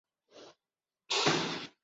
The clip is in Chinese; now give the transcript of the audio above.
张老先生是张家的大家长